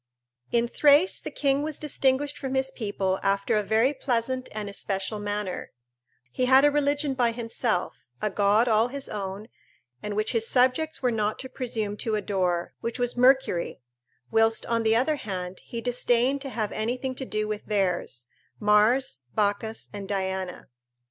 In Thrace the king was distinguished from his people after a very pleasant and especial manner; he had a religion by himself, a god all his own, and which his subjects were not to presume to adore, which was Mercury, whilst, on the other hand, he disdained to have anything to do with theirs, Mars, Bacchus, and Diana.